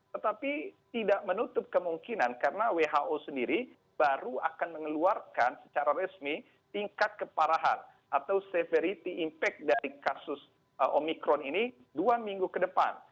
tetapi tidak menutup kemungkinan karena who sendiri baru akan mengeluarkan secara resmi tingkat keparahan atau severity impact dari kasus omikron ini dua minggu ke depan